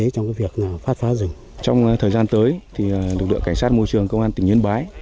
trong thời gian tới lực lượng cảnh sát môi trường công an tỉnh nhân bái